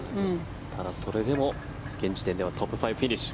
ただ、それでも現時点ではトップ５フィニッシュ。